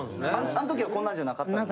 あん時はこんなんじゃなかったです。